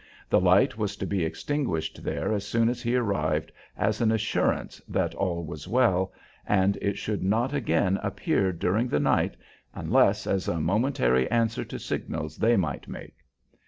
The light was to be extinguished there as soon as he arrived, as an assurance that all was well, and it should not again appear during the night unless as a momentary answer to signals they might make.